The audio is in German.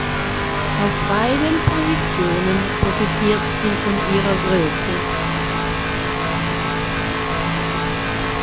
Auf beiden Positionen profitiert sie von ihrer Größe.